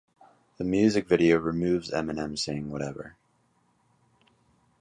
The music video removes Eminem saying 'whatever'.